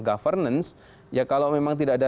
governance ya kalau memang tidak ada